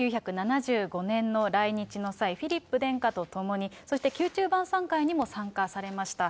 １９７５年の来日の際、フィリップ殿下と共に、そして宮中晩さん会にも参加されました。